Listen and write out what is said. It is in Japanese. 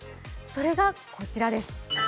それがこちらです。